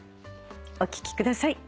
お聴きください。